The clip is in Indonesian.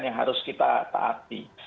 yang harus kita taati